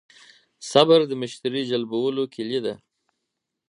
صبر د مشتری جلبولو کیلي ده.